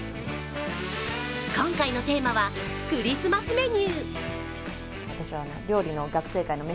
今回のテーマはクリスマスメニュー。